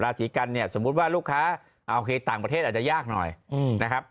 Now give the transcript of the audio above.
สีกันเนี่ยสมมุติว่าลูกค้าโอเคต่างประเทศอาจจะยากหน่อยนะครับ